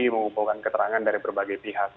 mengumpulkan keterangan dari berbagai pihak